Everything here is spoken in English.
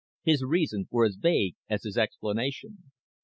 His reasons were as vague as his explanation.